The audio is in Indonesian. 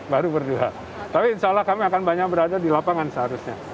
baru berdua tapi insya allah kami akan banyak berada di lapangan seharusnya